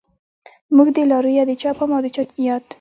په موږ دی لارويه د چا پام او د چا ياد